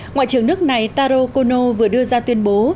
ngoại trưởng nước này taro kono vừa đưa ra tuyên bố